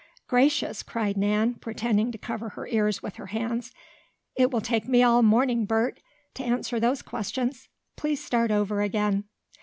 "Gracious!" cried Nan, pretending to cover her ears with her hands. "It will take me all morning, Bert, to answer those questions. Please start over again."